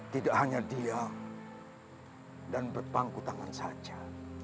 tidak hanya dia dan berpangku tangan saja